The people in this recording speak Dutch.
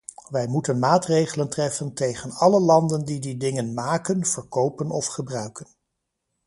Wij moeten maatregelen treffen tegen alle landen die die dingen maken, verkopen of gebruiken.